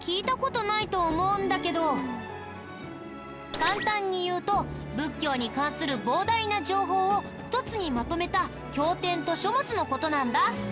簡単に言うと仏教に関する膨大な情報を一つにまとめた経典と書物の事なんだ。